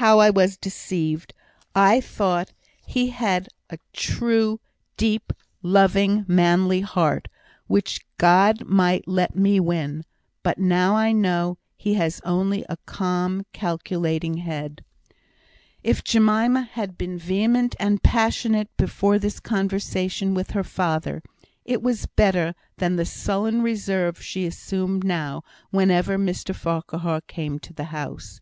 how I was deceived! I thought he had a true, deep, loving, manly heart, which God might let me win; but now I know he has only a calm, calculating head " If Jemima had been vehement and passionate before this conversation with her father, it was better than the sullen reserve she assumed now whenever Mr Farquhar came to the house.